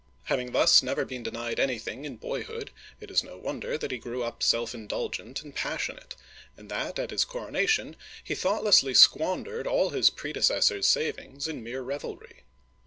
Having thus never been denied anything in boyhood, it is no wonder that he grew up self indulgent and passionate, and that at his coronation he thoughtlessly squandered all his predecessor's savings in mere revelry.